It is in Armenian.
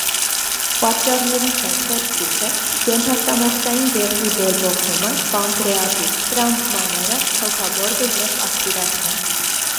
Պատճառներից են սեպսիսը, ենթաստամոքսային գեղձի բորբոքումը (պանկրեատիտ), տրավմաները, թոքաբորբը և ասպիրացիան։